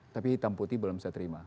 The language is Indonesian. tapi hitam putih belum saya terima